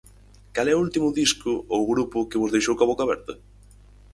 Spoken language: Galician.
Cal é o último disco ou grupo que vos deixou coa boca aberta?